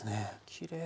きれい。